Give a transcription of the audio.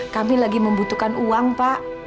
kami lagi membutuhkan uang pak